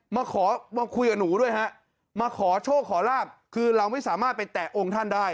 มาขอมาคุยกับหนูด้วยฮะมาขอโชคขอลาบคือเราไม่สามารถไปแตะองค์ท่านได้